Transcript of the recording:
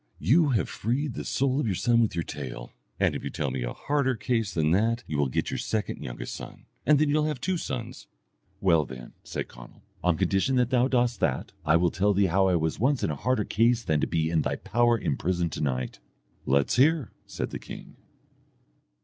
You have freed the soul of your son with your tale; and if you tell me a harder case than that you will get your second youngest son, and then you will have two sons." "Well then," said Conall, "on condition that thou dost that, I will tell thee how I was once in a harder case than to be in thy power in prison to night." "Let's hear," said the king.